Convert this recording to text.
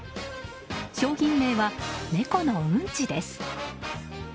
商品名は、ねこのうんちです。